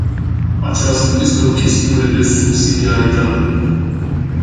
Aceasta este o chestiune de subsidiaritate.